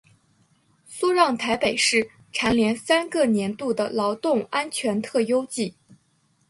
苏让台北市蝉联三个年度的劳动安全特优纪。